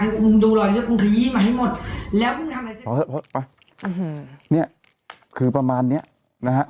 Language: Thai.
มึงดูรอยเลือดมึงขยี้มาให้หมดแล้วคือประมาณเนี้ยนะฮะ